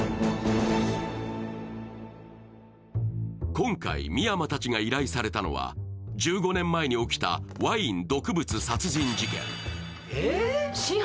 今回、深山たちが依頼されたのは１５年前に起きたワイン毒物殺人事件。